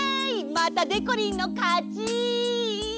またでこりんのかち！